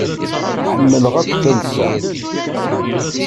Ḥemmleɣ akk talsa.